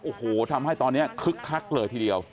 โอ้โหทำให้ตอนนี้คึกคักเลยทีเดียว